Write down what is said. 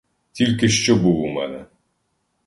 Тільки що був у мене.